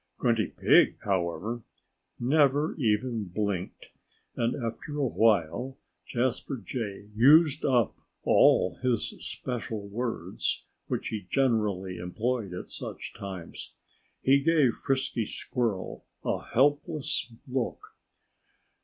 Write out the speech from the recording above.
Grunty Pig, however, never even blinked. And after a while Jasper Jay used up all his special words, which he generally employed at such times. He gave Frisky Squirrel a helpless look.